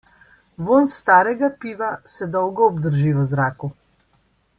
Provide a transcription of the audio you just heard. Vonj starega piva se dolgo obdrži v zraku.